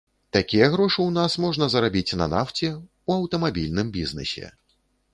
Такія грошы ў нас можна зарабіць на нафце, у аўтамабільным бізнэсе.